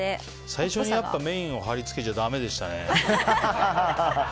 最初にメインを貼り付けちゃだめでしたね。